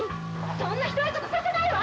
そんなひどいことさせないわ！